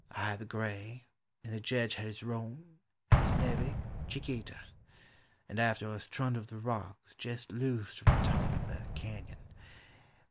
I had the gray, and the Jedge had his roan, and li is nevey, Chiquita; And after us trundled the rocks jest loosed from the top of the canon.